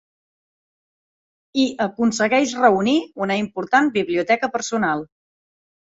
I aconsegueix reunir una important biblioteca personal.